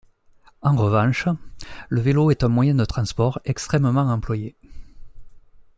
En revanche, le vélo est un moyen de transport extrêmement employé.